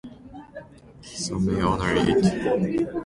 Some may honor it.